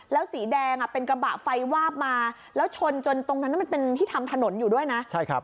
แล้วสีแดงเป็นกระบะไฟวาบมาแล้วชนจนตรงนั้นมันเป็นที่ทำถนนอยู่ด้วยนะ